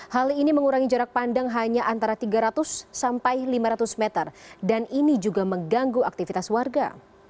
hal ini mengurangi jarak pandang hanya antara tiga ratus sampai lima ratus meter dan ini juga mengganggu aktivitas warga